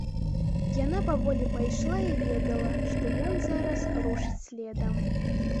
Яна паволі пайшла і ведала, што ён зараз рушыць следам.